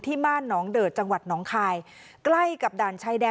ที่มารหนองเดิร์ดจังหวัดหนองคายใกล้กับดั่นไชดีร